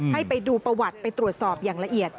ให้ไปดูประวัติไปตรวจสอบอย่างละเอียด